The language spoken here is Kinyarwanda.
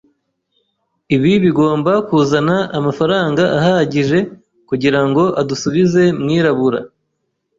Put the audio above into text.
Ibi bigomba kuzana amafaranga ahagije kugirango adusubize mwirabura.